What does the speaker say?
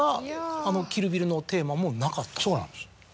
そうなんですよ。